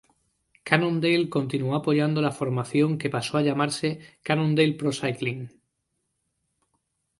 Cannondale continuó apoyando la formación que pasó a llamarse "Cannondale Pro Cycling".